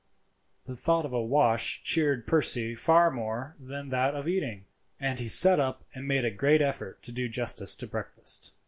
The thought of a wash cheered Percy far more than that of eating, and he sat up and made a great effort to do justice to breakfast.